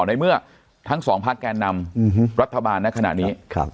ไม่ได้เป็นจุดแบบนี้